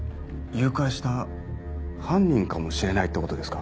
誘拐した犯人かもしれないってことですか？